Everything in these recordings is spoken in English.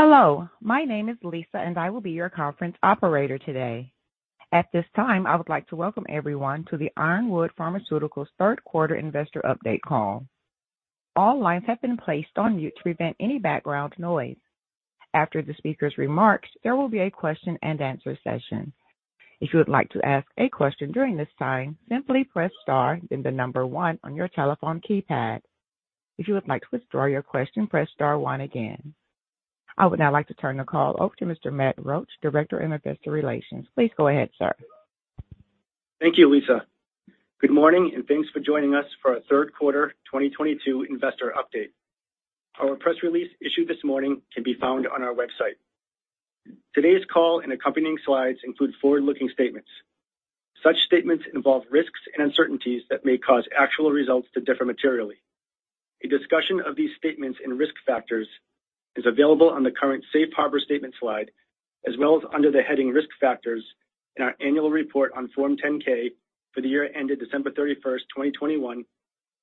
Hello, my name is Lisa, and I will be your conference operator today. At this time, I would like to welcome everyone to the Ironwood Pharmaceuticals Third Quarter Investor Update Call. All lines have been placed on mute to prevent any background noise. After the speaker's remarks, there will be a question-and-answer session. If you would like to ask a question during this time, simply press Star, then the number one on your telephone keypad. If you would like to withdraw your question, press star one again. I would now like to turn the call over to Mr. Matt Roache, Director, Investor Relations. Please go ahead, sir. Thank you, Lisa. Good morning, and thanks for joining us for our third quarter 2022 investor update. Our press release issued this morning can be found on our website. Today's call and accompanying slides include forward-looking statements. Such statements involve risks and uncertainties that may cause actual results to differ materially. A discussion of these statements and risk factors is available on the current Safe Harbor statement slide, as well as under the heading Risk Factors in our Annual Report on Form 10-K for the year ended December 31, 2021,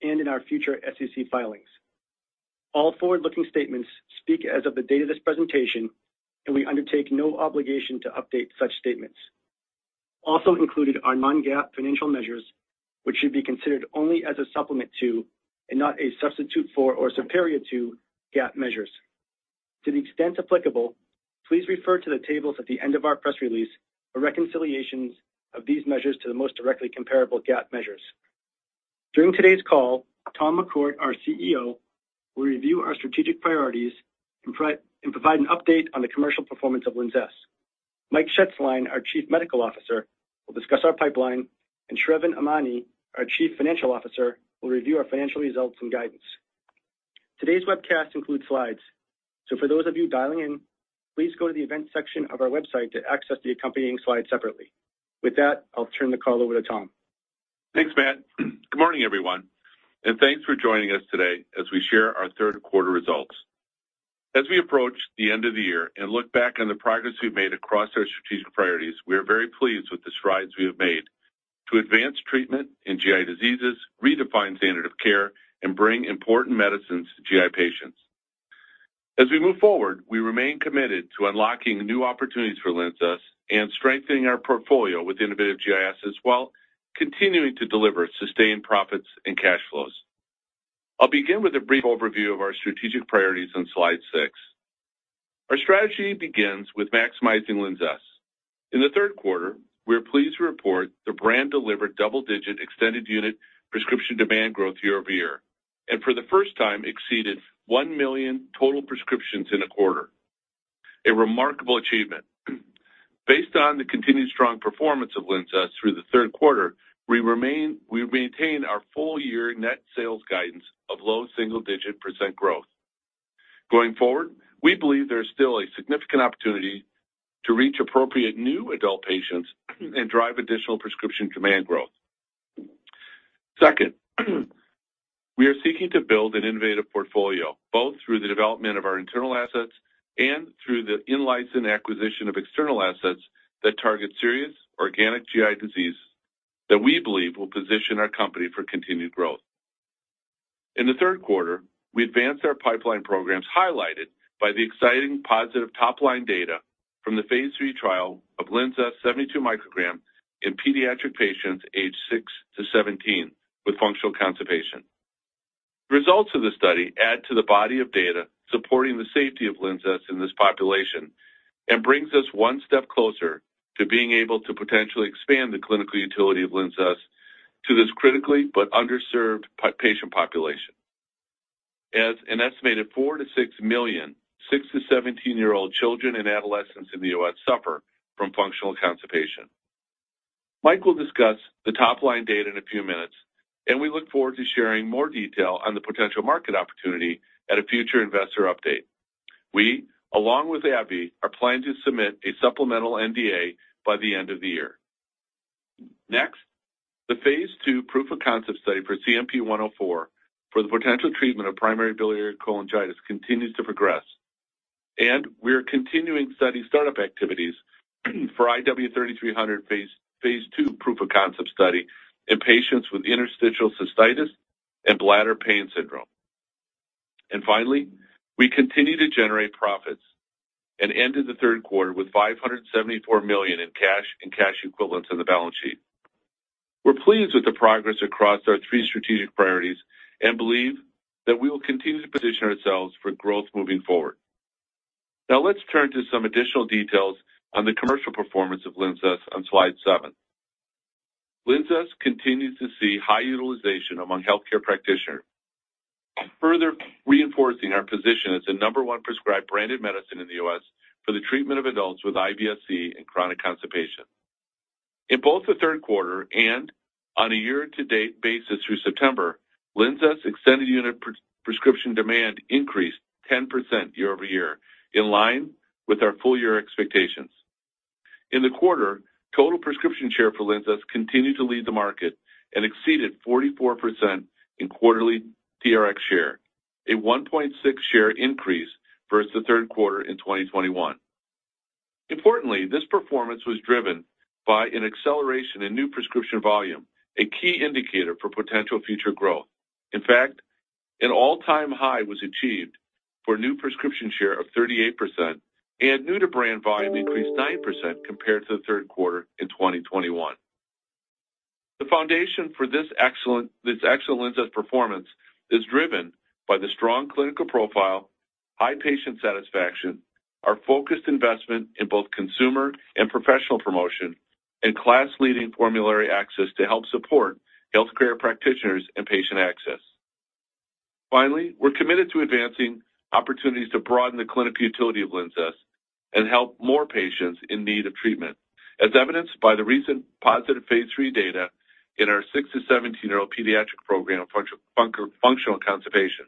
and in our future SEC filings. All forward-looking statements speak as of the date of this presentation, and we undertake no obligation to update such statements. Also included are non-GAAP financial measures, which should be considered only as a supplement to and not a substitute for or superior to GAAP measures. To the extent applicable, please refer to the tables at the end of our press release for reconciliations of these measures to the most directly comparable GAAP measures. During today's call, Tom McCourt, our CEO, will review our strategic priorities and provide an update on the commercial performance of LINZESS. Mike Shetzline, our Chief Medical Officer, will discuss our pipeline, and Sravan Emany, our Chief Financial Officer, will review our financial results and guidance. Today's webcast includes slides. For those of you dialing in, please go to the Events section of our website to access the accompanying slides separately. With that, I'll turn the call over to Tom. Thanks, Matt. Good morning, everyone, and thanks for joining us today as we share our third quarter results. As we approach the end of the year and look back on the progress we've made across our strategic priorities, we are very pleased with the strides we have made to advance treatment in GI diseases, redefine standard of care, and bring important medicines to GI patients. As we move forward, we remain committed to unlocking new opportunities for LINZESS and strengthening our portfolio with innovative GIs while continuing to deliver sustained profits and cash flows. I'll begin with a brief overview of our strategic priorities on slide six. Our strategy begins with maximizing LINZESS. In the third quarter, we are pleased to report the brand delivered double-digit extended unit prescription demand growth year-over-year, and for the first time exceeded 1 million total prescriptions in a quarter. A remarkable achievement. Based on the continued strong performance of LINZESS through the third quarter, we maintain our full-year net sales guidance of low single-digit percent growth. Going forward, we believe there is still a significant opportunity to reach appropriate new adult patients and drive additional prescription demand growth. Second, we are seeking to build an innovative portfolio, both through the development of our internal assets and through the in-license acquisition of external assets that target serious organic GI diseases, that we believe will position our company for continued growth. In the third quarter, we advanced our pipeline programs, highlighted by the exciting positive top-line data from the phase III trial of LINZESS 72 mcg in pediatric patients aged six to 17 with functional constipation. Results of the study add to the body of data supporting the safety of LINZESS in this population and brings us one step closer to being able to potentially expand the clinical utility of LINZESS to this critically but underserved patient population. An estimated 4-6 million six- to 17-year-old children and adolescents in the U.S. suffer from functional constipation. Mike will discuss the top-line data in a few minutes, and we look forward to sharing more detail on the potential market opportunity at a future investor update. We, along with AbbVie, are planning to submit a supplemental NDA by the end of the year. Next, the phase II proof of concept study for CNP-104 for the potential treatment of primary biliary cholangitis continues to progress, and we are continuing study startup activities for IW-3300 phase II proof of concept study in patients with interstitial cystitis and bladder pain syndrome. Finally, we continue to generate profits and end in the third quarter with $574 million in cash and cash equivalents on the balance sheet. We're pleased with the progress across our three strategic priorities and believe that we will continue to position ourselves for growth moving forward. Now, let's turn to some additional details on the commercial performance of LINZESS on slide seven. LINZESS continues to see high utilization among healthcare practitioners, further reinforcing our position as the number one prescribed branded medicine in the U.S. for the treatment of adults with IBS-C and chronic constipation. In both the third quarter and on a year-to-date basis through September, LINZESS extended unit prescription demand increased 10% year over year, in line with our full-year expectations. In the quarter, total prescription share for LINZESS continued to lead the market and exceeded 44% in quarterly TRX share, a 1.6 share increase versus the third quarter in 2021. Importantly, this performance was driven by an acceleration in new prescription volume, a key indicator for potential future growth. In fact, an all-time high was achieved for new prescription share of 38% and new-to-brand volume increased 9% compared to the third quarter in 2021. The foundation for this excellence of performance is driven by the strong clinical profile, high patient satisfaction, our focused investment in both consumer and professional promotion, and class-leading formulary access to help support healthcare practitioners and patient access. Finally, we're committed to advancing opportunities to broaden the clinic utility of LINZESS and help more patients in need of treatment, as evidenced by the recent positive phase III data in our six to 17-year-old pediatric program of functional constipation.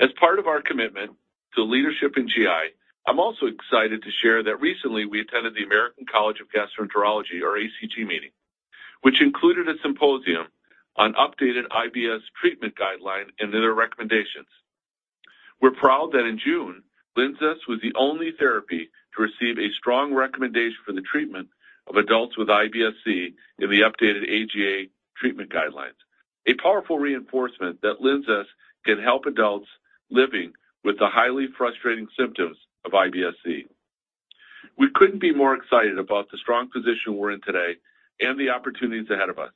As part of our commitment to leadership in GI, I'm also excited to share that recently we attended the American College of Gastroenterology, or ACG Meeting, which included a symposium on updated IBS treatment guideline and their recommendations. We're proud that in June, LINZESS was the only therapy to receive a strong recommendation for the treatment of adults with IBS-C in the updated AGA treatment guidelines. A powerful reinforcement that LINZESS can help adults living with the highly frustrating symptoms of IBS-C. We couldn't be more excited about the strong position we're in today and the opportunities ahead of us.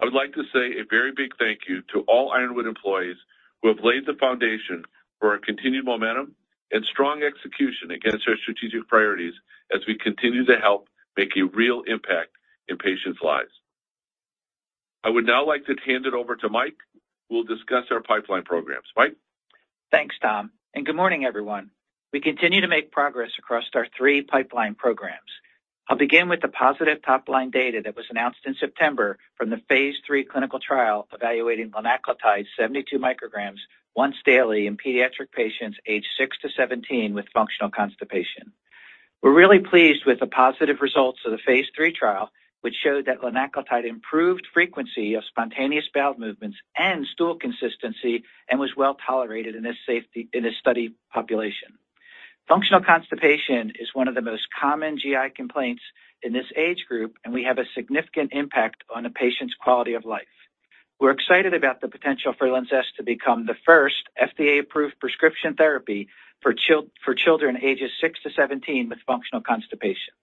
I would like to say a very big thank you to all Ironwood employees who have laid the foundation for our continued momentum and strong execution against our strategic priorities as we continue to help make a real impact in patients' lives. I would now like to hand it over to Mike, who will discuss our pipeline programs. Mike? Thanks, Tom, and good morning, everyone. We continue to make progress across our three pipeline programs. I'll begin with the positive top-line data that was announced in September from the phase III clinical trial evaluating linaclotide 72 mcg once daily in pediatric patients aged six to 17 with functional constipation. We're really pleased with the positive results of the phase III trial, which showed that linaclotide improved frequency of spontaneous bowel movements and stool consistency and was well-tolerated in the study population. Functional constipation is one of the most common GI complaints in this age group, and has a significant impact on a patient's quality of life. We're excited about the potential for LINZESS to become the first FDA-approved prescription therapy for children ages six to 17 with functional constipation.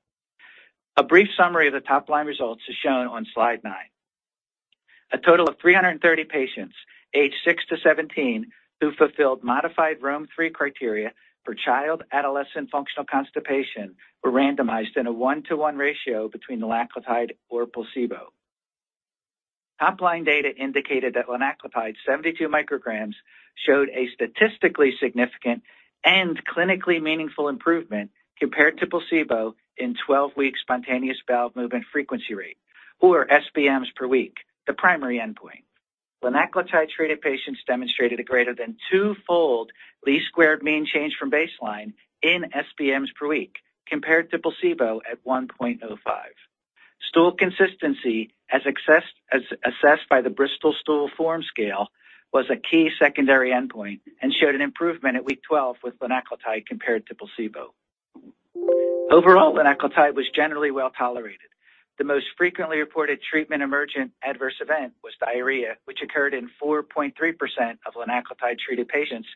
A brief summary of the top-line results is shown on slide nine. A total of 330 patients aged six to 17 who fulfilled modified Rome III criteria for child/adolescent functional constipation were randomized in a 1:1 ratio between linaclotide or placebo. Top-line data indicated that linaclotide 72 mcg showed a statistically significant and clinically meaningful improvement compared to placebo in 12-week spontaneous bowel movement frequency rate or SBMs per week, the primary endpoint. Linaclotide-treated patients demonstrated a greater than two-fold least squares mean change from baseline in SBMs per week compared to placebo at 1.05. Stool consistency, as assessed by the Bristol Stool Form Scale, was a key secondary endpoint and showed an improvement at week 12 with linaclotide compared to placebo. Overall, linaclotide was generally well-tolerated. The most frequently reported treatment emergent adverse event was diarrhea, which occurred in 4.3% of linaclotide-treated patients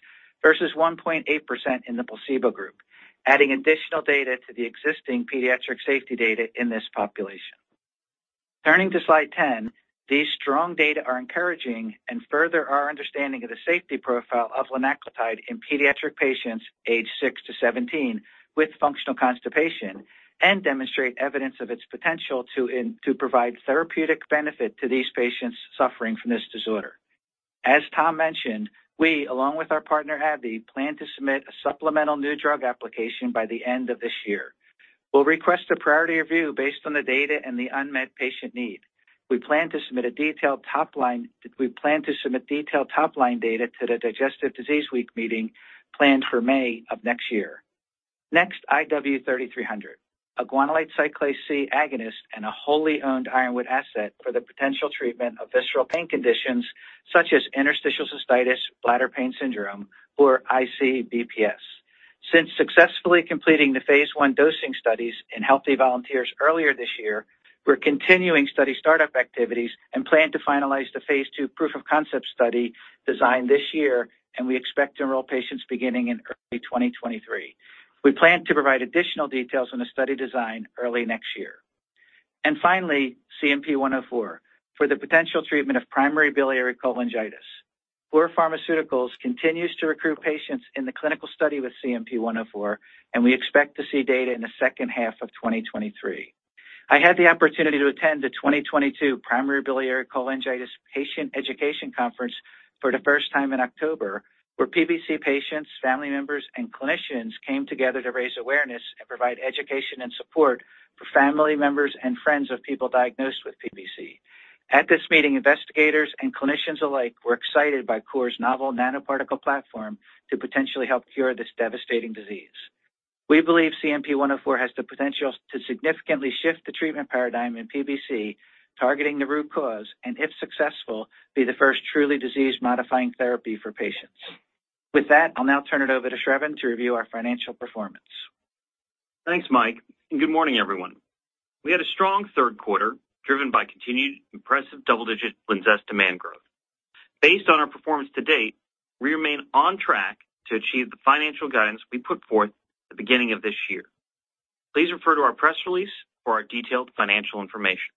versus 1.8% in the placebo group, adding additional data to the existing pediatric safety data in this population. Turning to slide 10, these strong data are encouraging and further our understanding of the safety profile of linaclotide in pediatric patients aged six to 17 with functional constipation and demonstrate evidence of its potential to provide therapeutic benefit to these patients suffering from this disorder. As Tom mentioned, we, along with our partner AbbVie, plan to submit a supplemental new drug application by the end of this year. We'll request a priority review based on the data and the unmet patient need. We plan to submit a detailed top line. We plan to submit detailed top-line data to the Digestive Disease Week Meeting planned for May of next year. Next, IW-3300, a guanylate cyclase-C agonist and a wholly owned Ironwood asset for the potential treatment of visceral pain conditions such as interstitial cystitis/bladder pain syndrome or IC/BPS. Since successfully completing the phase I dosing studies in healthy volunteers earlier this year, we're continuing study startup activities and plan to finalize the phase II proof of concept study designed this year, and we expect to enroll patients beginning in early 2023. We plan to provide additional details on the study design early next year. Finally, CNP-104 for the potential treatment of primary biliary cholangitis. COUR Pharmaceuticals continues to recruit patients in the clinical study with CNP-104, and we expect to see data in the second half of 2023. I had the opportunity to attend the 2022 Primary Biliary Cholangitis Patient Education Conference for the first time in October, where PBC patients, family members, and clinicians came together to raise awareness and provide education and support for family members and friends of people diagnosed with PBC. At this meeting, investigators and clinicians alike were excited by COUR's novel nanoparticle platform to potentially help cure this devastating disease. We believe CNP-104 has the potential to significantly shift the treatment paradigm in PBC. Targeting the root cause, and if successful, be the first truly disease-modifying therapy for patients. With that, I'll now turn it over to Sravan to review our financial performance. Thanks, Mike, and good morning, everyone. We had a strong third quarter, driven by continued impressive double-digit LINZESS demand growth. Based on our performance to date, we remain on track to achieve the financial guidance we put forth at the beginning of this year. Please refer to our press release for our detailed financial information.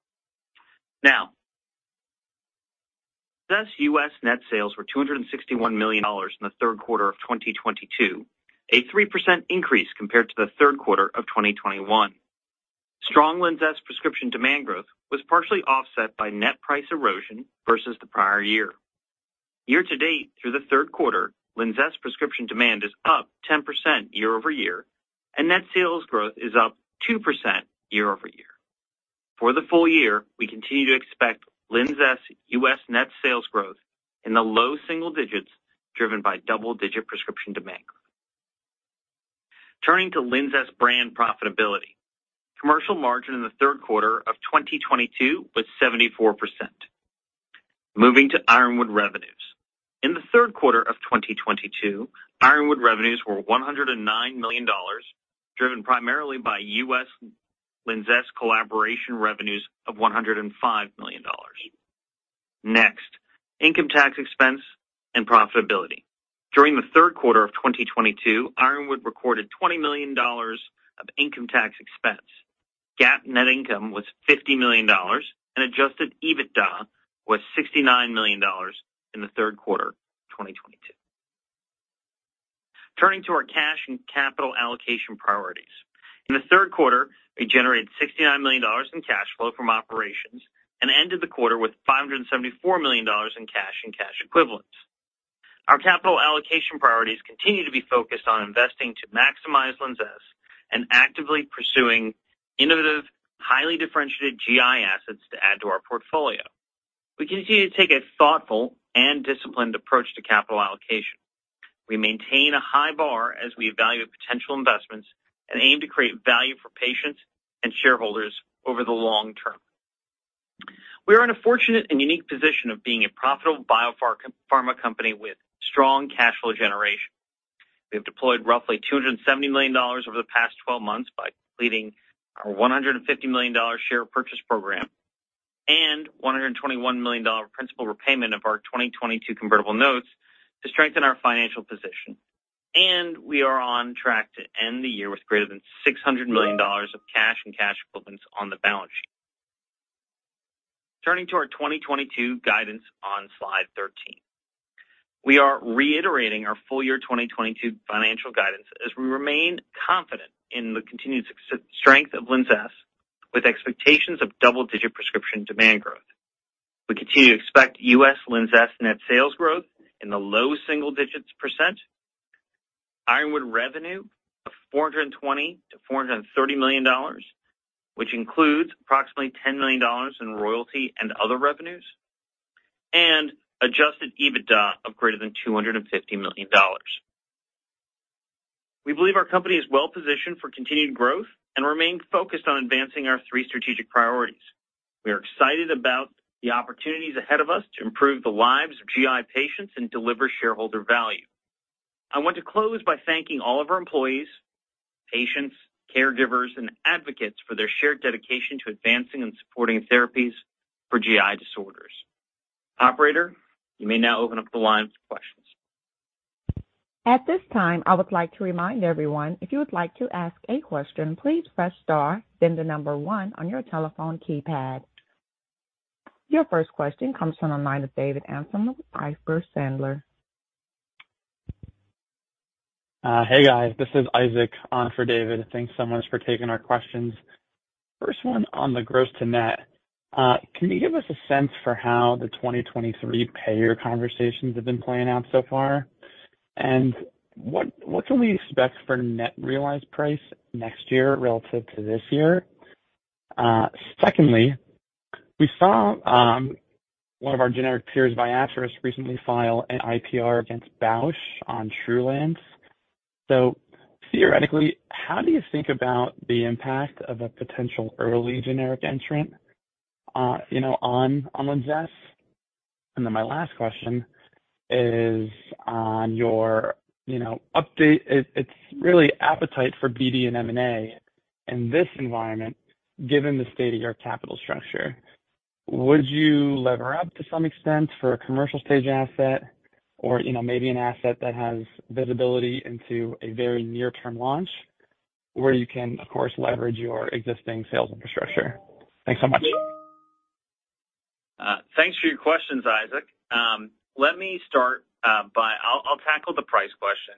Now, LINZESS U.S. net sales were $261 million in the third quarter of 2022, a 3% increase compared to the third quarter of 2021. Strong LINZESS prescription demand growth was partially offset by net price erosion versus the prior year. Year to date through the third quarter, LINZESS prescription demand is up 10% year-over-year, and net sales growth is up 2% year-over-year. For the full year, we continue to expect LINZESS U.S. net sales growth in the low single digits, driven by double-digit prescription demand. Turning to LINZESS brand profitability. Commercial margin in the third quarter of 2022 was 74%. Moving to Ironwood revenues. In the third quarter of 2022, Ironwood revenues were $109 million, driven primarily by U.S. LINZESS collaboration revenues of $105 million. Next, income tax expense and profitability. During the third quarter of 2022, Ironwood recorded $20 million of income tax expense. GAAP net income was $50 million, and adjusted EBITDA was $69 million in the third quarter of 2022. Turning to our cash and capital allocation priorities. In the third quarter, we generated $69 million in cash flow from operations and ended the quarter with $574 million in cash and cash equivalents. Our capital allocation priorities continue to be focused on investing to maximize LINZESS and actively pursuing innovative, highly differentiated GI assets to add to our portfolio. We continue to take a thoughtful and disciplined approach to capital allocation. We maintain a high bar as we evaluate potential investments and aim to create value for patients and shareholders over the long term. We are in a fortunate and unique position of being a profitable biopharma company with strong cash flow generation. We have deployed roughly $270 million over the past 12 months by completing our $150 million share purchase program and $121 million principal repayment of our 2022 convertible notes to strengthen our financial position. We are on track to end the year with greater than $600 million of cash and cash equivalents on the balance sheet. Turning to our 2022 guidance on slide 13. We are reiterating our full-year 2022 financial guidance as we remain confident in the continued strength of LINZESS, with expectations of double-digit prescription demand growth. We continue to expect U.S. LINZESS net sales growth in the low single digits%, Ironwood revenue of $420 million-$430 million, which includes approximately $10 million in royalty and other revenues, and adjusted EBITDA of greater than $250 million. We believe our company is well-positioned for continued growth and remain focused on advancing our three strategic priorities. We are excited about the opportunities ahead of us to improve the lives of GI patients and deliver shareholder value. I want to close by thanking all of our employees, patients, caregivers, and advocates for their shared dedication to advancing and supporting therapies for GI disorders. Operator, you may now open up the line for questions. At this time, I would like to remind everyone, if you would like to ask a question, please press star, then the number one on your telephone keypad. Your first question comes from the line of David Amsellem with Piper Sandler. Hey, guys, this is Isaac on for David. Thanks so much for taking our questions. First one on the gross to net. Can you give us a sense for how the 2023 payer conversations have been playing out so far? And what can we expect for net realized price next year relative to this year? Secondly, we saw one of our generic peers, Viatris, recently file an IPR against Bausch on Trulance. Theoretically, how do you think about the impact of a potential early generic entrant, you know, on LINZESS? My last question is on your update. It's really appetite for BD and M&A in this environment, given the state of your capital structure. Would you lever up to some extent for a commercial stage asset or, you know, maybe an asset that has visibility into a very near-term launch where you can, of course, leverage your existing sales infrastructure? Thanks so much. Thanks for your questions, Isaac. Let me start by, I'll tackle the price question,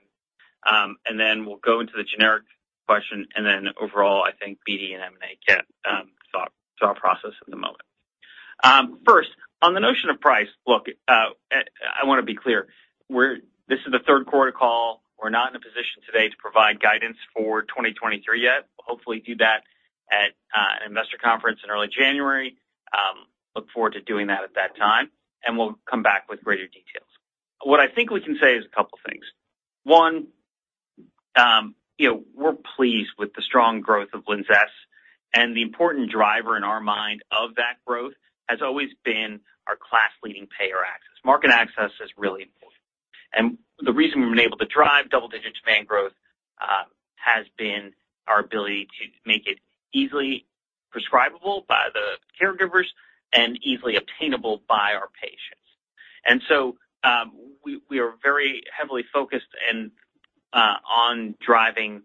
and then we'll go into the generic question, and then overall, I think BD and M&A get thought process at the moment. First, on the notion of price. Look, I wanna be clear. This is the third quarter call. We're not in a position today to provide guidance for 2023 yet. We'll hopefully do that at an investor conference in early January. Look forward to doing that at that time, and we'll come back with greater details. What I think we can say is a couple things. One, we're pleased with the strong growth of LINZESS, and the important driver in our mind of that growth has always been our class-leading payer access. Market access is really important. The reason we've been able to drive double-digit demand growth has been our ability to make it easily prescribable by the caregivers and easily obtainable by our patients. We are very heavily focused on driving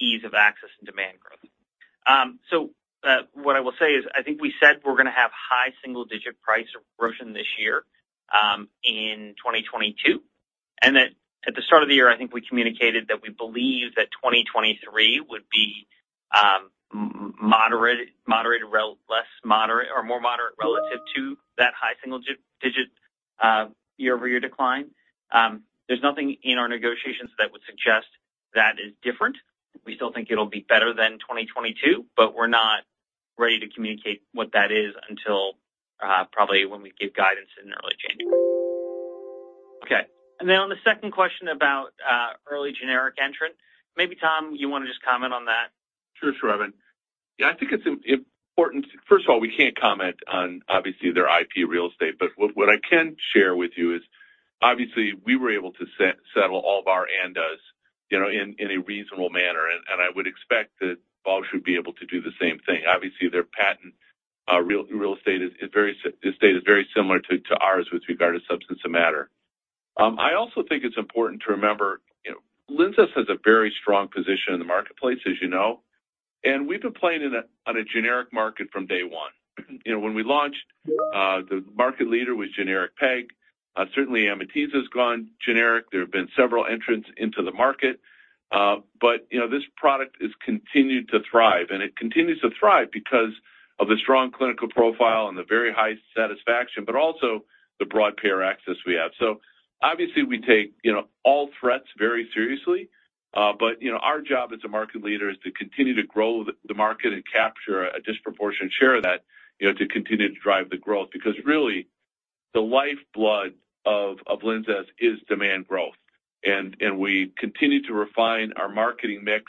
ease of access and demand growth. What I will say is, I think we said we're gonna have high single-digit price erosion this year, in 2022. That at the start of the year, I think we communicated that we believe that 2023 would be moderate, less moderate or more moderate relative to that high single-digit year-over-year decline. There's nothing in our negotiations that would suggest that is different. We still think it'll be better than 2022, but we're not ready to communicate what that is until probably when we give guidance in early January. Okay. On the second question about early generic entrant, maybe Tom, you wanna just comment on that? Sure, Sravan. Yeah, I think it's important. First of all, we can't comment on obviously their IP real estate. What I can share with you is obviously we were able to settle all of our ANDAs, you know, in a reasonable manner, and I would expect that Viatris should be able to do the same thing. Obviously, their patent real estate is very similar to ours with regard to substance and matter. I also think it's important to remember, you know, LINZESS has a very strong position in the marketplace, as you know, and we've been playing on a generic market from day one. You know, when we launched, the market leader was generic PEG. Certainly Amitiza has gone generic. There have been several entrants into the market. You know, this product has continued to thrive, and it continues to thrive because of the strong clinical profile and the very high satisfaction, but also the broad payer access we have. Obviously we take, you know, all threats very seriously, but, you know, our job as a market leader is to continue to grow the market and capture a disproportionate share of that, you know, to continue to drive the growth. Really the lifeblood of LINZESS is demand growth. We continue to refine our marketing mix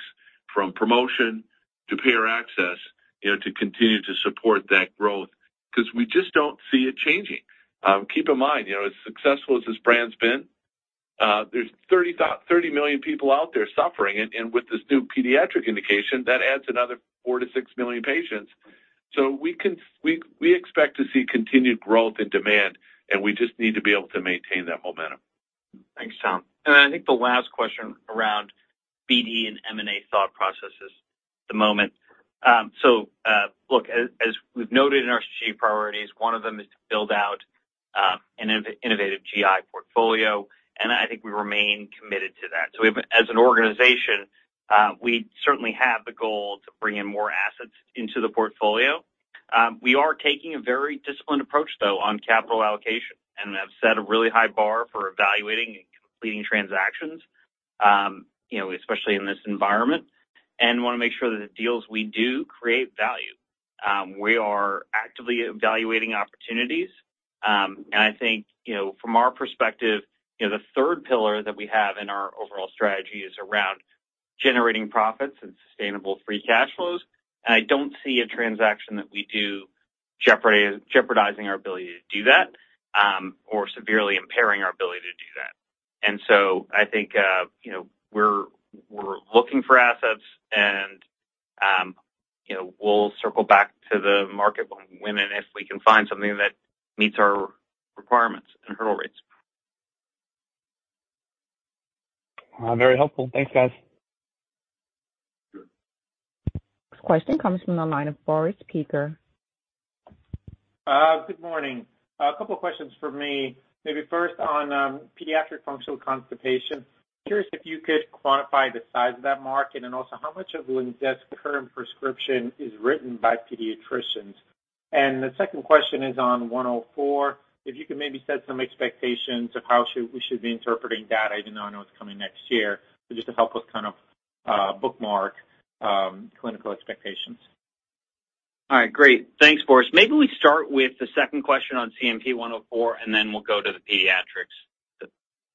from promotion to payer access, you know, to continue to support that growth 'cause we just don't see it changing. Keep in mind, you know, as successful as this brand's been, there's 30 million people out there suffering, and with this new pediatric indication, that adds another 4-6 million patients. We expect to see continued growth in demand, and we just need to be able to maintain that momentum. Thanks, Tom. I think the last question around BD and M&A thought processes at the moment. Look, as we've noted in our strategic priorities, one of them is to build out an innovative GI portfolio, and I think we remain committed to that. As an organization, we certainly have the goal to bring in more assets into the portfolio. We are taking a very disciplined approach though on capital allocation and have set a really high bar for evaluating and completing transactions, you know, especially in this environment, and wanna make sure that the deals we do create value. We are actively evaluating opportunities. I think, you know, from our perspective, you know, the third pillar that we have in our overall strategy is around generating profits and sustainable free cash flows. I don't see a transaction that we do jeopardizing our ability to do that, or severely impairing our ability to do that. I think, you know, we're looking for assets and, you know, we'll circle back to the market when and if we can find something that meets our requirements and hurdle rates. Very helpful. Thanks, guys. Sure. Next question comes from the line of Boris Peaker. Good morning. A couple questions for me. Maybe first on pediatric functional constipation. Curious if you could quantify the size of that market and also how much of LINZESS current prescription is written by pediatricians. The second question is on CNP-104, if you could maybe set some expectations of we should be interpreting data, even though I know it's coming next year, but just to help us kind of bookmark clinical expectations. All right, great. Thanks, Boris. Maybe we start with the second question on CNP-104, and then we'll go to the pediatrics.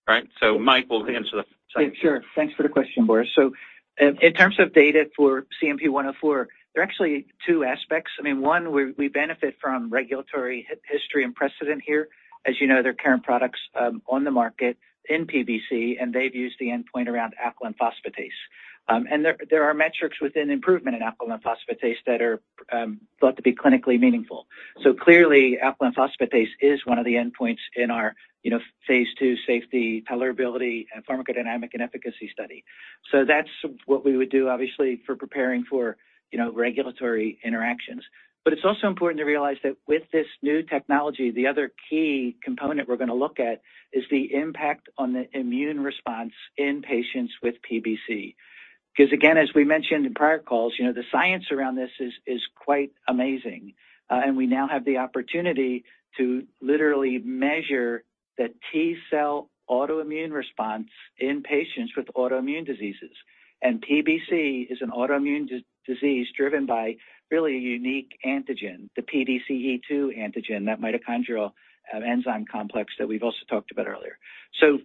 All right? Mike will answer the second. Yeah, sure. Thanks for the question, Boris. In terms of data for CNP-104, there are actually two aspects. I mean, one, we benefit from regulatory history and precedent here. As you know, there are current products on the market in PBC, and they've used the endpoint around alkaline phosphatase. There are metrics within improvement in alkaline phosphatase that are thought to be clinically meaningful. Clearly, alkaline phosphatase is one of the endpoints in our, you know, phase II safety tolerability and pharmacodynamic and efficacy study. That's what we would do obviously for preparing for, you know, regulatory interactions. It's also important to realize that with this new technology, the other key component we're gonna look at is the impact on the immune response in patients with PBC. 'Cause again, as we mentioned in prior calls, you know, the science around this is quite amazing. We now have the opportunity to literally measure the T-cell autoimmune response in patients with autoimmune diseases. PBC is an autoimmune disease driven by really a unique antigen, the PDC-E2 antigen, that mitochondrial enzyme complex that we've also talked about earlier.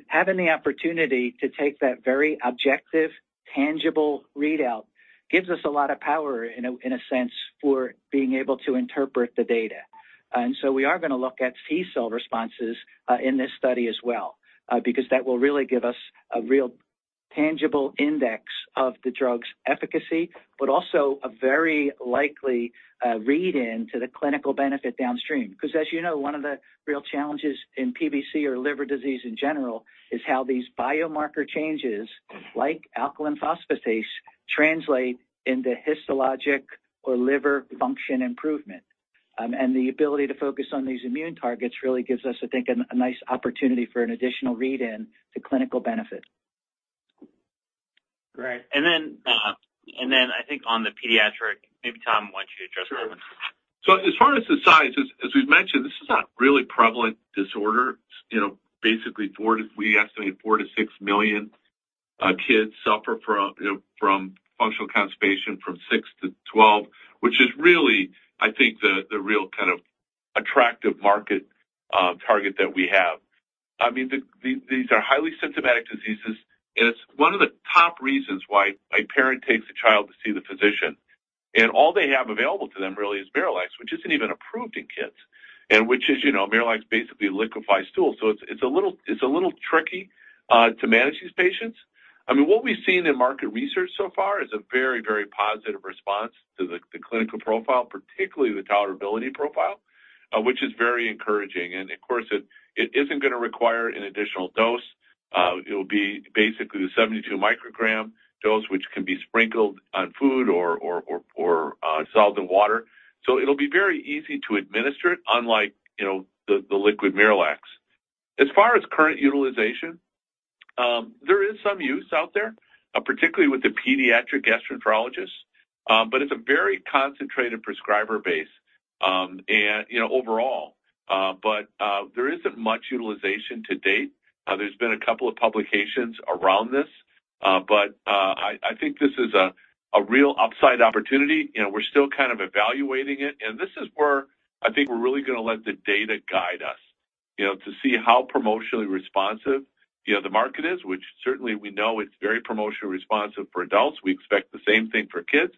Having the opportunity to take that very objective, tangible readout gives us a lot of power in a sense, for being able to interpret the data. We are gonna look at T-cell responses in this study as well, because that will really give us a real tangible index of the drug's efficacy, but also a very likely read-in to the clinical benefit downstream. 'Cause as you know, one of the real challenges in PBC or liver disease in general is how these biomarker changes, like alkaline phosphatase, translate into histologic or liver function improvement. The ability to focus on these immune targets really gives us, I think, a nice opportunity for an additional read-in to clinical benefit. Great. Then I think on the pediatric, maybe Tom, why don't you address that one? Sure. As far as the size, as we've mentioned, this is not really prevalent disorder. You know, basically we estimate 4-6 million kids suffer from functional constipation from six to 12, which is really, I think, the real kind of attractive market target that we have. I mean, these are highly symptomatic diseases, and it's one of the top reasons why a parent takes a child to see the physician. All they have available to them really is MiraLAX, which isn't even approved in kids, and which is, you know, MiraLAX basically liquefies stool. It's a little tricky to manage these patients. I mean, what we've seen in market research so far is a very, very positive response to the clinical profile, particularly the tolerability profile, which is very encouraging. Of course, it isn't gonna require an additional dose. It'll be basically the 72 mcg dose, which can be sprinkled on food or dissolved in water. It'll be very easy to administer it unlike, you know, the liquid MiraLAX. As far as current utilization, there is some use out there, particularly with the pediatric gastroenterologist, but it's a very concentrated prescriber base, and, you know, overall. There isn't much utilization to date. There's been a couple of publications around this, but I think this is a real upside opportunity. You know, we're still kind of evaluating it, and this is where I think we're really gonna let the data guide us. You know, to see how promotionally responsive, you know, the market is, which certainly we know it's very promotionally responsive for adults. We expect the same thing for kids.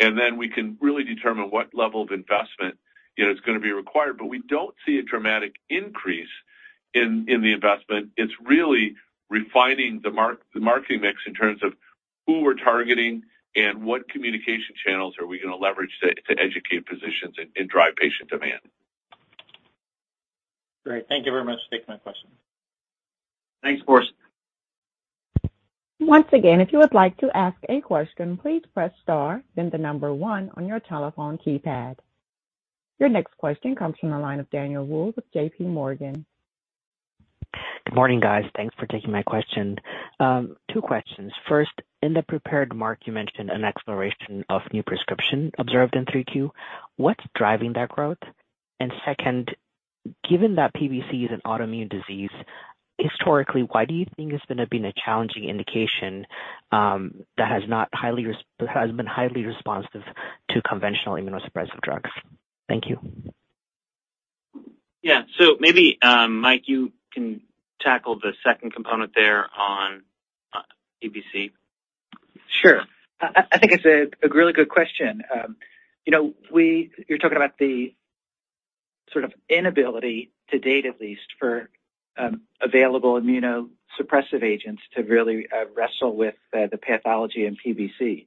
Then we can really determine what level of investment, you know, is gonna be required. We don't see a dramatic increase in the investment. It's really refining the marketing mix in terms of who we're targeting and what communication channels are we gonna leverage to educate physicians and drive patient demand. Great. Thank you very much for taking my question. Thanks, Boris. Once again, if you would like to ask a question, please press star then the number one on your telephone keypad. Your next question comes from the line of Daniel Wolle with JPMorgan. Good morning, guys. Thanks for taking my question. Two questions. First, in the prepared remarks, you mentioned an exploration of new prescription observed in 3Q. What's driving that growth? Second, given that PBC is an autoimmune disease, historically, why do you think it's gonna been a challenging indication, that hasn't been highly responsive to conventional immunosuppressive drugs? Thank you. Yeah. Maybe Mike, you can tackle the second component there on PBC. Sure. I think it's a really good question. You know, you're talking about the sort of inability to date at least for available immunosuppressive agents to really wrestle with the pathology in PBC.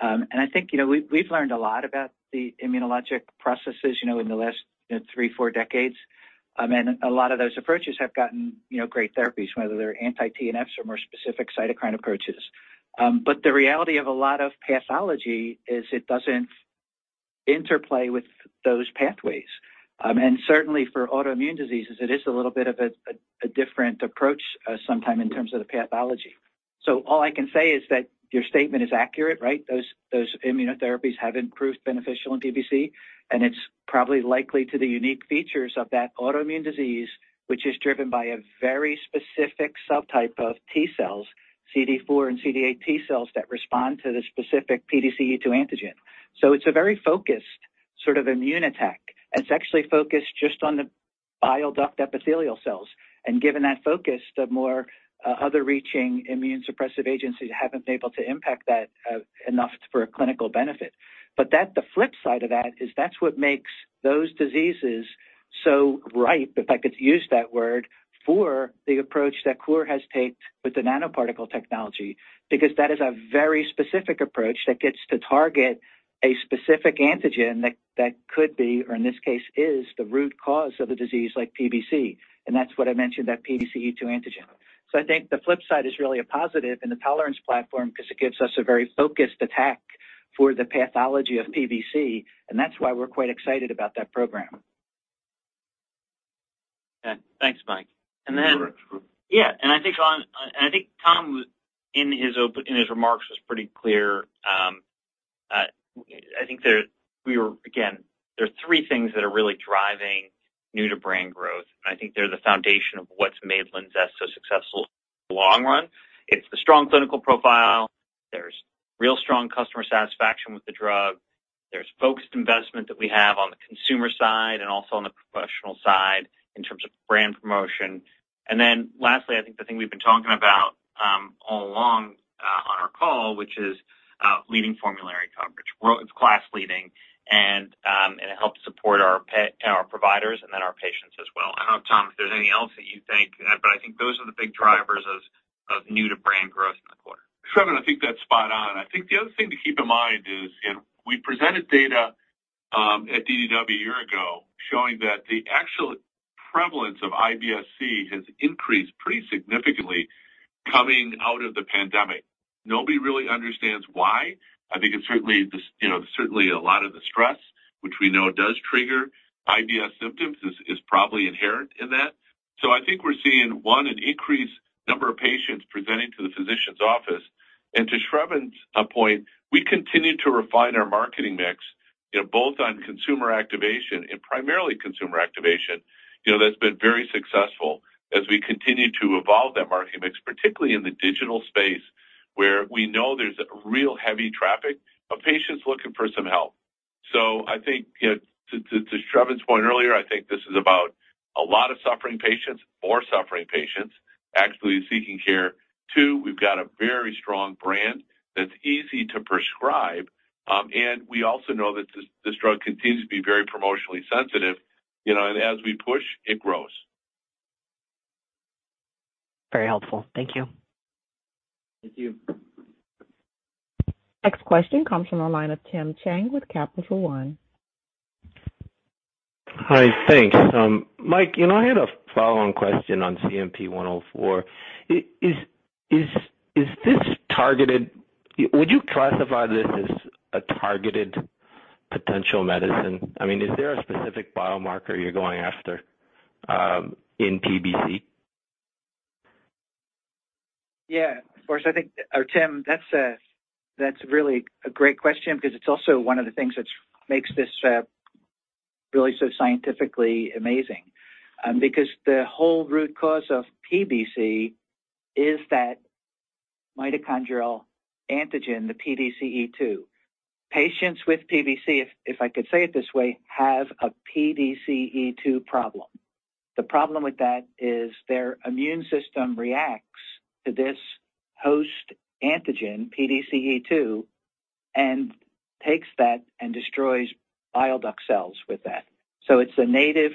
I think, you know, we've learned a lot about the immunologic processes, you know, in the last three, four decades. A lot of those approaches have gotten, you know, great therapies, whether they're anti-TNFs or more specific cytokine approaches. The reality of a lot of pathology is it doesn't interplay with those pathways. Certainly for autoimmune diseases, it is a little bit of a different approach, sometimes in terms of the pathology. All I can say is that your statement is accurate, right? Those immunotherapies haven't proved beneficial in PBC, and it's probably due to the unique features of that autoimmune disease, which is driven by a very specific subtype of T-cells, CD4 and CD8 T-cells that respond to the specific PDC-E2 antigen. It's a very focused sort of immune attack, and it's actually focused just on the bile duct epithelial cells. Given that focus, the more far-reaching immunosuppressive agents haven't been able to impact that enough for a clinical benefit. The flip side of that is that's what makes those diseases so ripe, if I could use that word, for the approach that COUR has taken with the nanoparticle technology. Because that is a very specific approach that gets to target a specific antigen that could be, or in this case is the root cause of a disease like PBC, and that's what I mentioned, that PDC-E2 antigen. I think the flip side is really a positive in the tolerance platform 'cause it gives us a very focused attack for the pathology of PBC, and that's why we're quite excited about that program. Okay, thanks, Mike. No worries. Yeah. I think Tom was in his remarks pretty clear. I think again, there are three things that are really driving new-to-brand growth, and I think they're the foundation of what's made LINZESS so successful in the long run. It's the strong clinical profile. Strong customer satisfaction with the drug. There's focused investment that we have on the consumer side and also on the professional side in terms of brand promotion. Lastly, I think the thing we've been talking about all along on our call, which is leading formulary coverage. Well, it's class leading, and it helps support our providers and then our patients as well. I don't know, Tom, if there's anything else that you think, but I think those are the big drivers of new-to-brand growth in the quarter. Sravan, I think that's spot on. I think the other thing to keep in mind is, you know, we presented data at DDW a year ago showing that the actual prevalence of IBS-C has increased pretty significantly coming out of the pandemic. Nobody really understands why. I think it's certainly this, you know, certainly a lot of the stress, which we know does trigger IBS symptoms is probably inherent in that. I think we're seeing, one, an increased number of patients presenting to the physician's office. To Sravan's point, we continue to refine our marketing mix, you know, both on consumer activation and primarily consumer activation. You know, that's been very successful as we continue to evolve that marketing mix, particularly in the digital space, where we know there's real heavy traffic of patients looking for some help. I think, you know, to Sravan's point earlier, I think this is about a lot of suffering patients, more suffering patients actually seeking care. Two, we've got a very strong brand that's easy to prescribe, and we also know that this drug continues to be very promotionally sensitive, you know, and as we push, it grows. Very helpful. Thank you. Thank you. Next question comes from the line of Tim Chiang with Capital One. Hi. Thanks. Mike, you know, I had a follow-on question on CNP-104. Is this targeted? Would you classify this as a targeted potential medicine? I mean, is there a specific biomarker you're going after in PBC? Yeah, of course. Or Tim, that's really a great question because it's also one of the things which makes this really so scientifically amazing because the whole root cause of PBC is that mitochondrial antigen, the PDC-E2. Patients with PBC, if I could say it this way, have a PDC-E2 problem. The problem with that is their immune system reacts to this host antigen, PDC-E2, and takes that and destroys bile duct cells with that. It's a native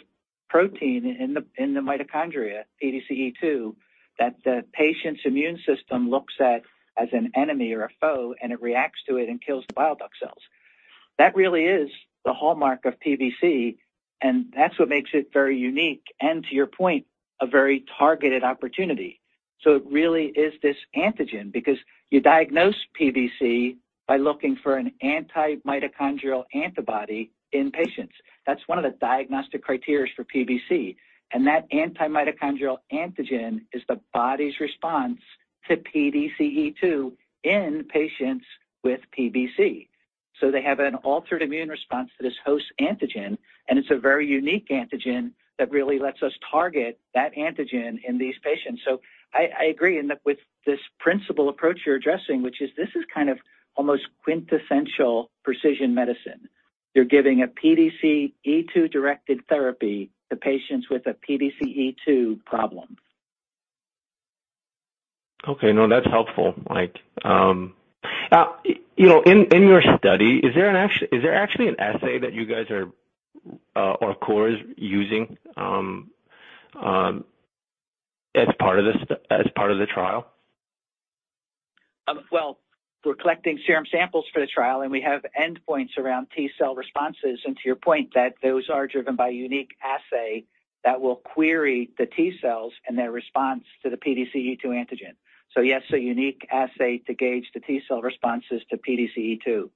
protein in the mitochondria, PDC-E2, that the patient's immune system looks at as an enemy or a foe, and it reacts to it and kills the bile duct cells. That really is the hallmark of PBC, and that's what makes it very unique and to your point, a very targeted opportunity. It really is this antigen because you diagnose PBC by looking for an antimitochondrial antibody in patients. That's one of the diagnostic criteria for PBC. That antimitochondrial antibody is the body's response to PDC-E2 in patients with PBC. They have an altered immune response to this host antigen, and it's a very unique antigen that really lets us target that antigen in these patients. I agree with that principle approach you're addressing, which is this is kind of almost quintessential precision medicine. You're giving a PDC-E2-directed therapy to patients with a PDC-E2 problem. Okay. No, that's helpful, Mike. You know, in your study, is there actually an assay that you guys are or COUR is using as part of this, as part of the trial? We're collecting serum samples for the trial, and we have endpoints around T-cell responses. To your point that those are driven by a unique assay that will query the T-cells and their response to the PDC-E2 antigen. Yes, a unique assay to gauge the T-cell responses to PDC-E2.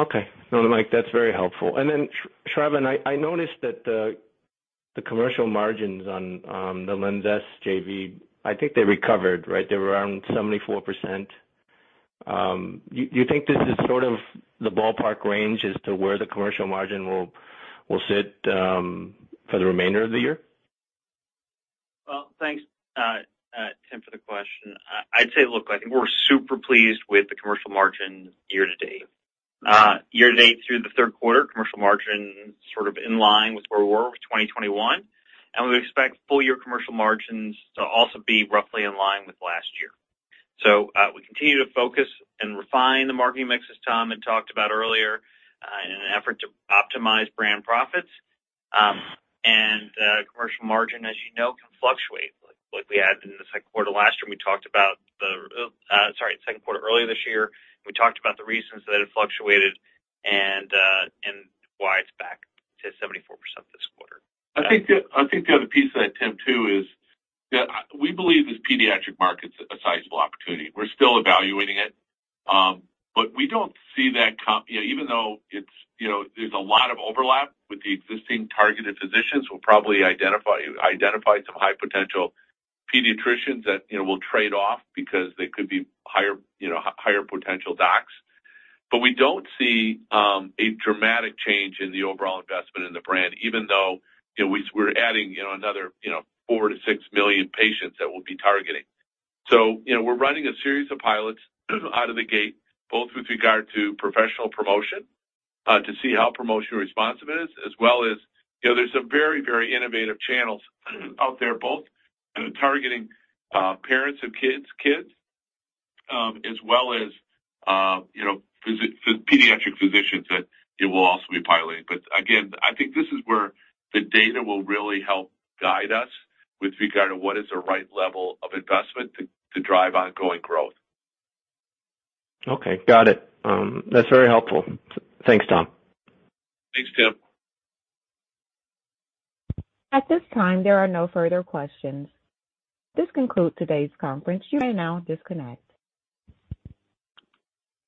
Okay. No, Mike, that's very helpful. Sravan, I noticed that the commercial margins on the LINZESS JV, I think they recovered, right? They were around 74%. You think this is sort of the ballpark range as to where the commercial margin will sit for the remainder of the year? Well, thanks, Tim, for the question. I'd say, look, like we're super pleased with the commercial margin year to date. Year to date through the third quarter, commercial margin sort of in line with where we were with 2021, and we expect full year commercial margins to also be roughly in line with last year. We continue to focus and refine the marketing mix, as Tom had talked about earlier, in an effort to optimize brand profits. And, commercial margin, as you know, can fluctuate like we had in the second quarter earlier this year. We talked about the reasons that it fluctuated and why it's back to 74% this quarter. I think the other piece to that Tim too is that we believe this pediatric market's a sizable opportunity. We're still evaluating it. You know, even though it's, you know, there's a lot of overlap with the existing targeted physicians, we'll probably identify some high potential pediatricians that, you know, will trade off because they could be higher potential docs. We don't see a dramatic change in the overall investment in the brand, even though, you know, we're adding, you know, another, you know, 4-6 million patients that we'll be targeting. You know, we're running a series of pilots out of the gate, both with regard to professional promotion to see how promotion responsive is, as well as, you know, there's some very, very innovative channels out there, both targeting parents of kids, as well as, you know, pediatric physicians that it will also be piloting. I think this is where the data will really help guide us with regard to what is the right level of investment to drive ongoing growth. Okay. Got it. That's very helpful. Thanks, Tom. Thanks, Tim. At this time, there are no further questions. This concludes today's conference. You may now disconnect.